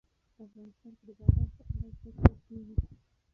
افغانستان کې د باران په اړه زده کړه کېږي.